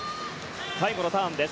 最後のターンです。